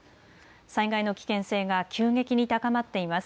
災害の危険性が急激に高まっています。